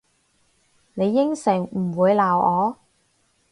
你應承唔會鬧我？